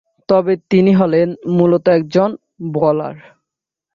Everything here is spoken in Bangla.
তবে তিনি হলেন মূলত একজন বোলার।